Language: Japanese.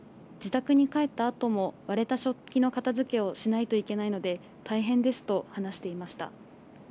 自宅に帰ったあとも割れた食器の片づけをしないといけないので、大変ですと話していました。